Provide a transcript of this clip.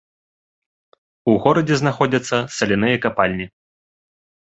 У горадзе знаходзяцца саляныя капальні.